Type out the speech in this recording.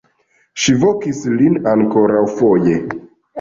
Ŝi vokis lin ankoraŭfoje.